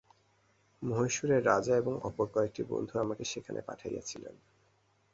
মহীশূরের রাজা এবং অপর কয়েকটি বন্ধু আমাকে সেখানে পাঠাইয়াছিলেন।